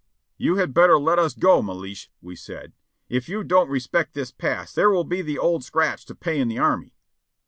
"You had better let us go, jMelish,'' we said. "If you don't re spect this pass there will be the Old Scratch to pay in the army."